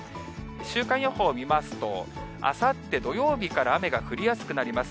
週間予報を見ますと、あさって土曜日から雨が降りやすくなります。